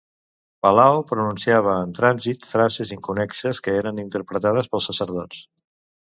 Palao pronunciava en trànsit frases inconnexes que eren interpretades pels sacerdots.